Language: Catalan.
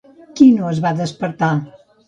Qui no es va despertar?